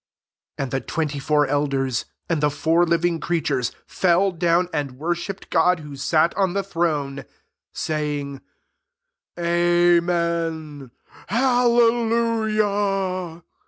4 And the twenty four elders, and the four living crea tures, fell down and worship ped God who sat on the throne, saying, " Amen, Hallelujah."